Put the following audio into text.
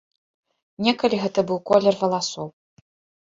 Некалі гэта быў колер валасоў.